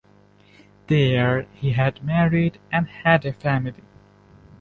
There he had married and had a family.